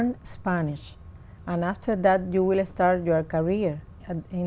như các bạn đã thấy trong tin